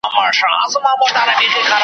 داببر ببر لاسونه .